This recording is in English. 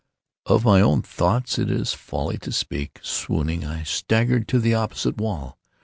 Of my own thoughts it is folly to speak. Swooning, I staggered to the opposite wall.